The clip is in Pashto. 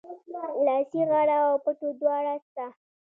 لاسي غاړه او پټو دواړه سته